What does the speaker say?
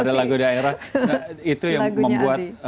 ada lagu daerah itu yang membuat